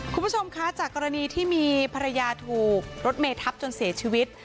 คุณผู้ชมคะจากกรณีที่มีภรรยาถูกรถเมทับจนเสียชีวิต